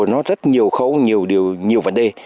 nó rất nhiều khấu nhiều điều nhiều vấn đề